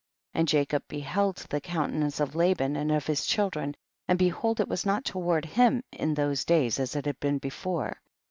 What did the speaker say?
36. And Jacob beheld the counte nance of Laban and of his children, and behold it was not toward him in those days as it had been before.